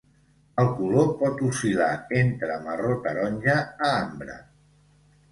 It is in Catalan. El color pot oscil·lar entre marró taronja a ambre.